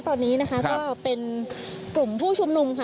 ตอนนี้นะคะก็เป็นกลุ่มผู้ชุมนุมค่ะ